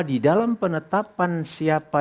di dalam penetapan siapa